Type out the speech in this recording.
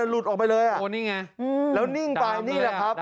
แล้วนิ่งบ่ายเนี่ยนะ